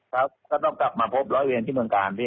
เพราะว่าตอนแรกมีการพูดถึงนิติกรคือฝ่ายกฎหมาย